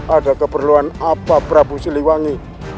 ada keperluan apa prabu siliwangi